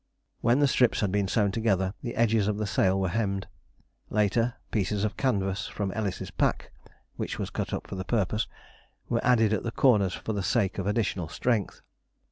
When the strips had been sewn together, the edges of the sail were hemmed. Later, pieces of canvas from Ellis's pack, which was cut up for the purpose, were added at the corners for the sake of additional strength.